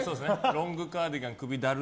ロングカーディガン首だる